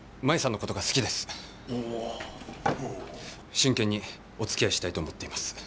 真剣におつきあいしたいと思っています。